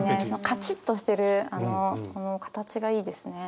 カチッとしてるこの形がいいですね。